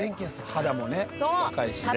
肌もね若いしねさ